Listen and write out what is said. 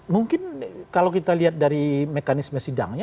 mungkin kalau kita lihat dari mekanisme sidangnya